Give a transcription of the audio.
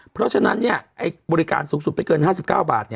เพราะฉะนั้นบริการสูงสุดไม่เกิน๕๙บาท